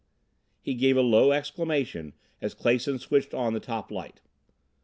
He gave a low exclamation as Clason switched on the toplight.